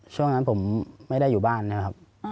ช่วงนั้นผมไม่ได้อยู่บ้านนะครับ